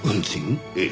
ええ。